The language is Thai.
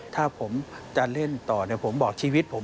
ถ้าผมจะเล่นต่อผมบอกชีวิตผม